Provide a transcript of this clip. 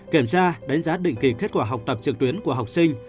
kiểm tra đánh giá định kỳ kết quả học tập trực tuyến của học sinh